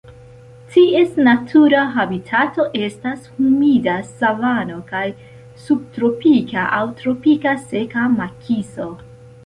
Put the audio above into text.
Ties natura habitato estas humida savano kaj subtropika aŭ tropika seka makiso.